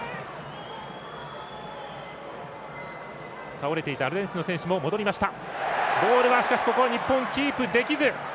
倒れていたアルゼンチンの選手も戻りました。